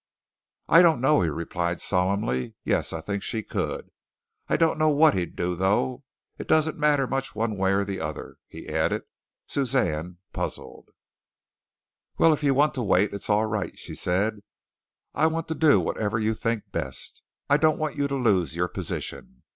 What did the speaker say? "I don't know," he replied solemnly. "Yes, I think she could. I don't know what he'd do, though. It doesn't matter much one way or the other," he added. Suzanne puzzled. "Well, if you want to wait, it's all right," she said. "I want to do whatever you think best. I don't want you to lose your position.